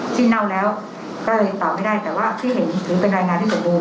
ที่เน่าแล้วก็เลยตอบไม่ได้แต่ว่าที่เห็นถือเป็นรายงานให้ผมดู